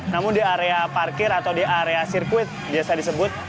namun di area parkir atau di area sirkuit biasa disebut